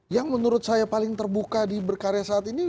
yang menurut saya paling terbuka di berkarya saat ini